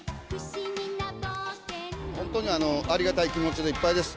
本当にありがたい気持ちでいっぱいです。